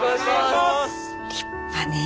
立派ねえ。